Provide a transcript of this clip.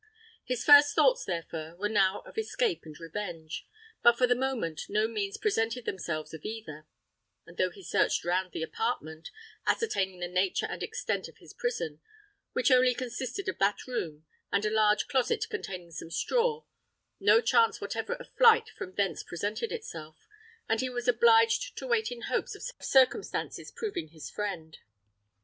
His first thoughts, therefore, were now of escape and revenge, but for the moment no means presented themselves of either; and though he searched round the apartment, ascertaining the nature and extent of his prison, which only consisted of that room and a large closet containing some straw, no chance whatever of flight from thence presented itself, and he was obliged to wait in hopes of circumstances proving his friend.